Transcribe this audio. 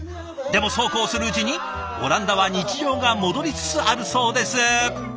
でもそうこうするうちにオランダは日常が戻りつつあるそうです。